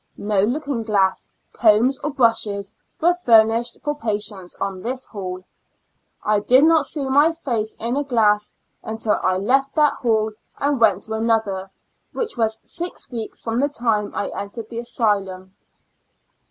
No looking glass, combs or brushes were furnished for patients on this hall. I did not see my face in a glass until IN A Lunatic Asylum./ gl I left that hall and went to another, which was six weeks from the time I entered the asylum.